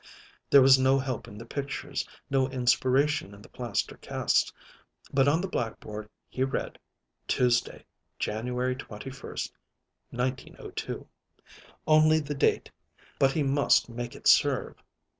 There was no help in the pictures, no inspiration in the plaster casts, but on the blackboard he read, "Tuesday, January twenty first, 1902." Only the date, but he must make it serve.